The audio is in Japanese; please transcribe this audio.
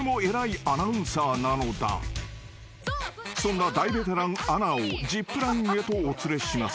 ［そんな大ベテランアナをジップラインへとお連れします］